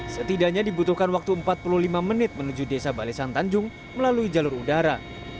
setidaknya dibutuhkan waktu empat puluh lima menit menuju desa balesan tanjung melalui jalur udara